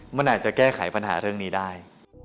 มันอาจจะแก้ไขปัญหาเรื่องนี้ได้